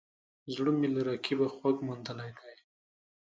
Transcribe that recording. زړه مې له رقیبه خوږ موندلی دی